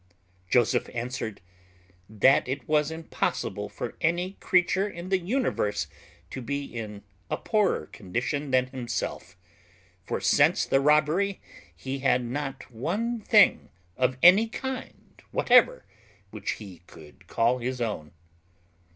Joseph answered, "That it was impossible for any creature in the universe to be in a poorer condition than himself; for since the robbery he had not one thing of any kind whatever which he could call his own."